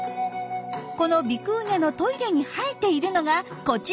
このビクーニャのトイレに生えているのがこちら。